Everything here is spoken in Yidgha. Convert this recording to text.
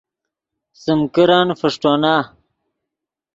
سیم کرن فݰٹونا